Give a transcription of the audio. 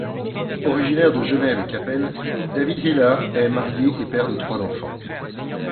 Originaire de Genève et Kappel, David Hiler est marié et père de trois enfants.